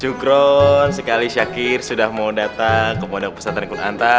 cukron sekali syakir sudah mau datang ke pondok pesantren kunanta